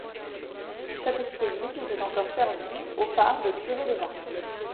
Sa petite église était encore servie au par le curé de Vars.